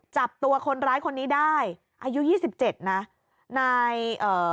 จับตัวคนร้ายคนนี้ได้อายุยี่สิบเจ็ดนะนายเอ่อ